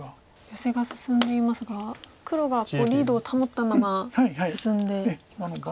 ヨセが進んでいますが黒がリードを保ったまま進んでいますか。